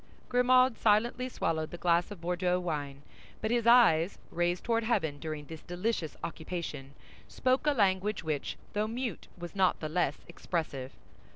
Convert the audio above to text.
Grimaud silently swallowed the glass of Bordeaux wine; but his eyes, raised toward heaven during this delicious occupation, spoke a language which, though mute, was not the less expressive.